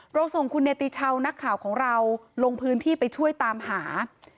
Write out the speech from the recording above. ส่งคุณเนติชาวนักข่าวของเราลงพื้นที่ไปช่วยตามหา